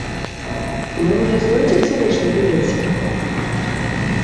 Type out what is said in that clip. Можа, знойдзецца лішні білецік?